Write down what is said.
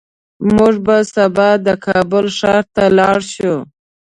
موږ به سبا د کابل ښار ته لاړ شو